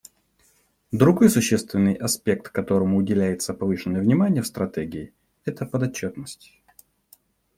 Другой существенный аспект, которому уделяется повышенное внимание в Стратегии, — это подотчетность.